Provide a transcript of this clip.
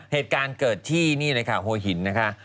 เหตุการณ์เกิดที่นี่เลยค่ะหัวหินนะคะ